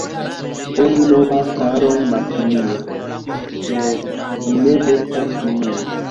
Oni nomas aron malfinia, se ĝi ne estas finia.